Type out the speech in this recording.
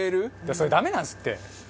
それダメなんですって！